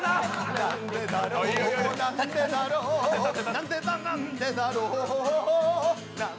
なんでだ、なんでだろう。